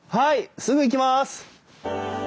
すぐ行きます！